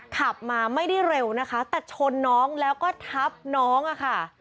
ขับมาไม่ได้เร็วนะคะแต่ชนน้องแล้วก็ทับน้องอะค่ะ